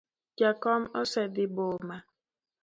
Jakom osedhi boma.